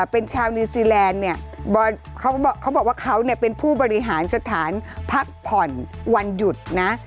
เป็นชาวนิวซีแลนด์เนี่ยเขาบอกว่าเขาเป็นผู้บริหารสถานพักผ่อนวันหยุดนะ